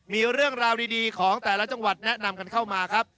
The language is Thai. มีเรื่องราวดีของแต่ละจังหวัดแนะนำกันเข้ามาครับ